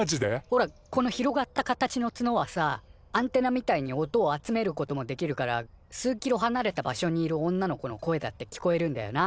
ほらこの広がった形のツノはさアンテナみたいに音を集めることもできるから数キロはなれた場所にいる女の子の声だって聞こえるんだよな